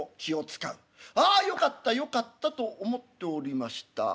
ああよかったよかったと思っておりました。